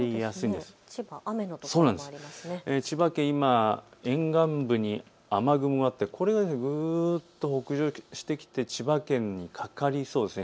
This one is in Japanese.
千葉県、今、沿岸部に雨雲があってこれがぐっと北上して千葉県にかかりそうです。